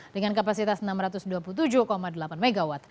dengan kapasitas enam ratus dua puluh tujuh delapan mw